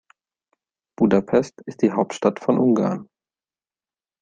Budapest ist die Hauptstadt von Ungarn.